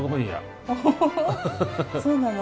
そうなの？